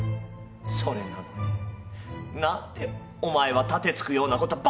それなのに何でお前は盾突くようなことばかりする！